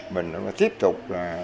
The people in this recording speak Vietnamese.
mình tiếp tục là